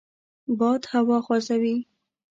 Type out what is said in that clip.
باد هوا خوځوي